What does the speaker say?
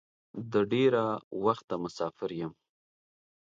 د ډېره وخته مسافر یم.